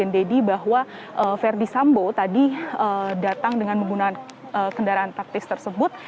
datang dengan menggunakan kendaraan taktis tersebut